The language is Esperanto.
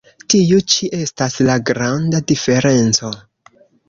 Tiu ĉi estas la granda diferenco.